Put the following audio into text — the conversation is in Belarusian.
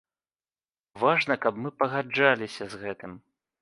Важна, каб мы пагаджаліся з гэтым.